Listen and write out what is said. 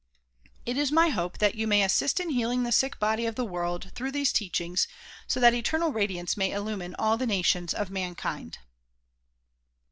It is my hope that you may assist in healing the sick body of the world through these teachings, so that eternal radiance may illumine all the nations of mankind.